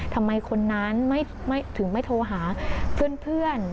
ทำไมคนนั้นถึงไม่โทรหาเพื่อน